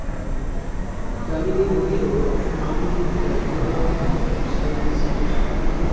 দামিনী কহিল, আমি গহনা গুছাইতেছি।